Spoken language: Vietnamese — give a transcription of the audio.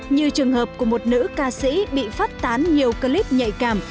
như trường hợp của một nữ ca sĩ bị phát tán nhiều clip nhạy cảm